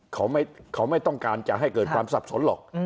เขาไม่ต้องการจะให้เกิดความสับสนหรอก